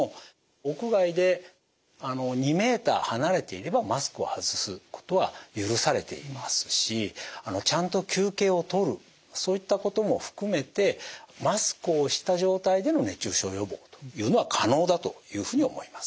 屋外で２メーター離れていればマスクを外すことは許されていますしちゃんと休憩をとるそういったことも含めてマスクをした状態での熱中症予防というのは可能だというふうに思います。